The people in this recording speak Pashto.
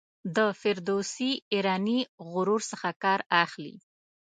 د فردوسي ایرانی غرور څخه کار اخلي.